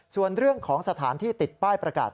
ส่วนเรื่องของสถานที่ติดป้ายประกาศ